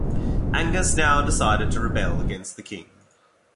Angus now decided to rebel against the king.